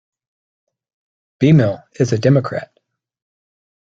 Beimel is a Democrat.